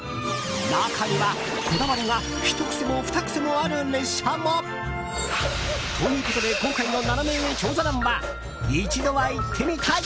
中には、こだわりがひと癖もふた癖もある列車も。ということで今回のナナメ上調査団は一度は行ってみたい！